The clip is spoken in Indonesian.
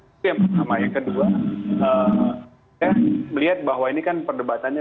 itu yang pertama yang kedua saya melihat bahwa ini kan perdebatannya